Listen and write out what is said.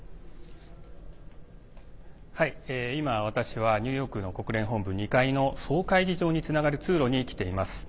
今、私はニューヨークの国連本部２階の総会議場につながる通路に来ています。